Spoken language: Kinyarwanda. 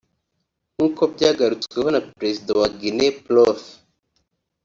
nk’uko byagarutsweho na Perezida wa Guinee Prof